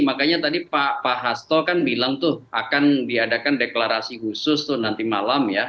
makanya tadi pak hasto kan bilang tuh akan diadakan deklarasi khusus tuh nanti malam ya